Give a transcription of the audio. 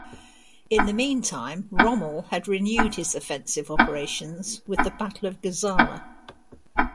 In the meantime Rommel had renewed his offensive operations with the Battle of Gazala.